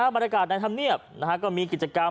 บรรยากาศในธรรมเนียบก็มีกิจกรรม